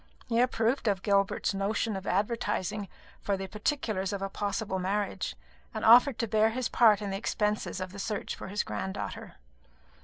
He approved of Gilbert's notion of advertising for the particulars of a possible marriage, and offered to bear his part in the expenses of the search for his granddaughter.